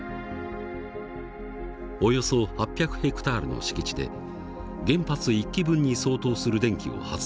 およそ８００ヘクタールの敷地で原発１基分に相当する電気を発電する。